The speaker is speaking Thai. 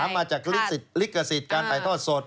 ๓มาจากลิกสิทธิ์การแผ่นทอดสด